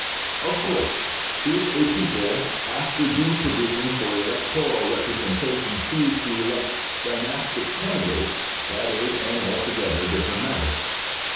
Of course if a people, after due provision for electoral representation, choose to elect dynastic candidates, that is an altogether different matter.